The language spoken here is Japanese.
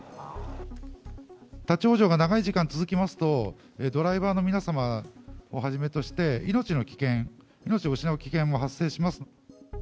立往生が長い時間続きますと、ドライバーの皆様をはじめとして、命の危険、命を失う危険も発生します。